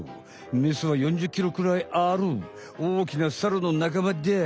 メスは４０キロくらいあるおおきなサルの仲間だい！